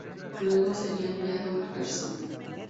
Luego sería enviado a Jersón.